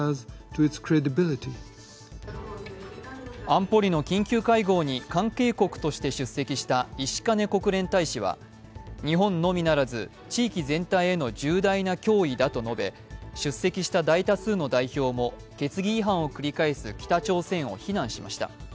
安保理の緊急会合に関係国として出席した石兼国連大使は、日本のみならず、地域全体への重大な脅威だと述べ出席した大多数の代表も決議違反を繰り返す北朝鮮を非難しました。